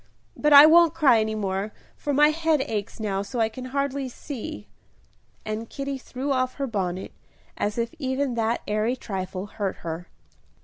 But I won't cry any more, for my head aches now so I can hardly see." And Kitty threw off her bonnet, as if even that airy trifle hurt her.